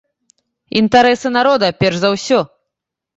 Інтарэсы народа перш за ўсё!